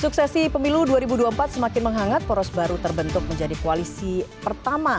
suksesi pemilu dua ribu dua puluh empat semakin menghangat poros baru terbentuk menjadi koalisi pertama